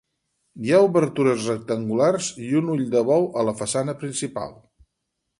Hi ha obertures rectangulars i un ull de bou a la façana principal.